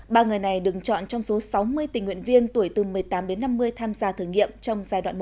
ba người này được chọn trong số sáu mươi tình nguyện viên tuổi từ một mươi tám đến năm mươi tham gia thử nghiệm trong giai đoạn một